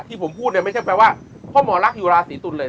ที่ผมพูดไม่ใช่แปลว่าพ่อหมอลักษณ์อยู่ราศรีตุลเลย